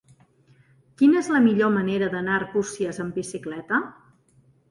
Quina és la millor manera d'anar a Arbúcies amb bicicleta?